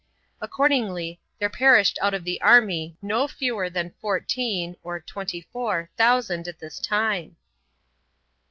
Accordingly there perished out of the army no fewer than fourteen 13 [twenty four] thousand at this time.